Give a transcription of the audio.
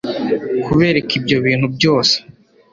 kubereka ibyo bintu byose